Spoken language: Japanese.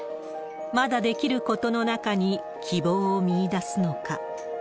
まだできることの中に希望を見いだすのか。